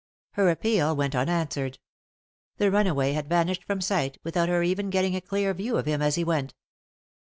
Her appeal went unanswered. The runaway had vanished from sight, without her even getting a clear view of him as he went.